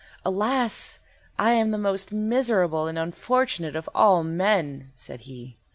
"Alas! I am the most miserable and unfortunate of all men," said he.